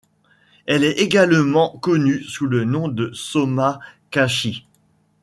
Elle est également connue sous le nom de 'Soma Kashi'.